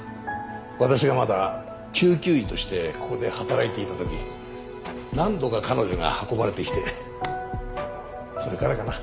私がまだ救急医としてここで働いていたとき何度か彼女が運ばれてきてそれからかな。